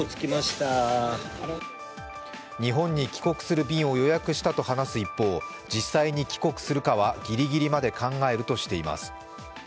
日本に帰国する便を予約したと話す一方、実際に帰国するかはギリギリまで考えるとしています。